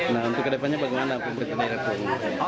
nah untuk ke depannya bagaimana pemerintahnya